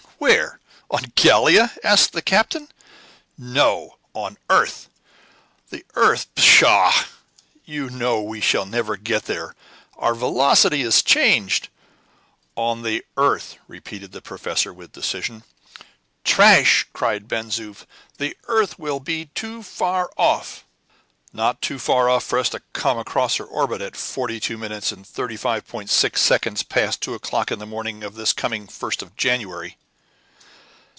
"Where? On Gallia?" asked the captain. "No; on the earth." "The earth! Pshaw! You know we shall never get there; our velocity is changed." "On the earth," repeated the professor, with decision. "Trash!" cried Ben Zoof. "The earth will be too far off!" "Not too far off for us to come across her orbit at 42 minutes and 35.6 seconds past two o'clock on the morning of this coming 1st of January."